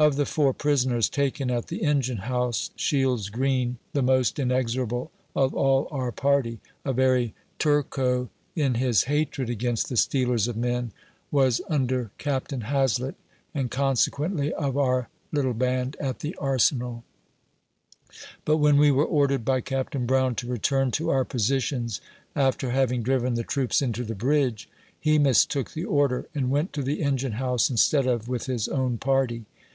Of the four prisoners taken at the engine house, Shields Green, the most inexorable of all our party, a very Turco in his hatred against the stealers of men, was under Captain Hazlett, and consequently of our little band at the Arsenal ; but when we were ordered by Captain Brown to return to our positions, after having driven the troops into the bridge, he mistook the order, and went to the engine house instead of with his own party.